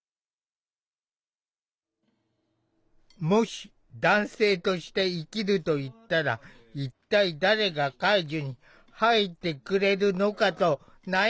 もし「男性として生きる」と言ったら一体誰が介助に入ってくれるのかと悩んだという。